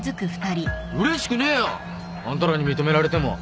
うれしくねえよあんたらに認められても。